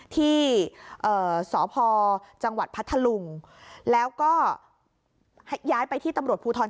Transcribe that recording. ที่สพจังหวัดพัทธลุงแล้วก็ย้ายไปที่ตำรวจภูทร